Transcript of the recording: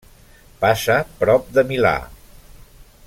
Passa prop de Milà.